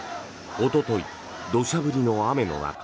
おととい、土砂降りの雨の中